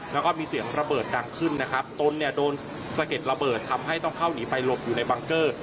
แล้วก็มีเสียงระเบิดดังขึ้นนะครับตนเนี่ยโดนสะเก็ดระเบิดทำให้ต้องเข้าหนีไปหลบอยู่ในบังเกอร์